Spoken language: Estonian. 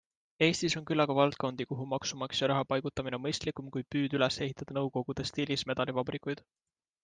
Eestis on küllaga valdkondi, kuhu maksumaksja raha paigutamine on mõistlikum kui püüd üles ehitada nõukogude stiilis medalivabrikuid.